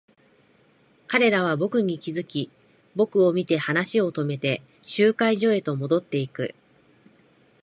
彼らは僕に気づき、僕を見て話を止めて、集会所へと戻っていく。